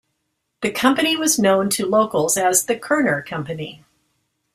The company was known to locals as The Kerner Company.